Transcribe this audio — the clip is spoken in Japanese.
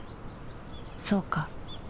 そうか